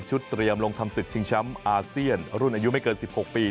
ชุดเตรียมลงทำศึกช้ำอาเซียนรุ่นอายุไม่เกิน๑๖ปี